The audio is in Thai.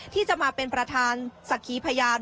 ที่จะมาเป็นประธานสักขีพยาน